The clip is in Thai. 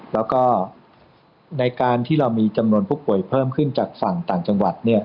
แล้วก็ในการที่เรามีจำนวนผู้ป่วยเพิ่มขึ้นจากฝั่งต่างจังหวัด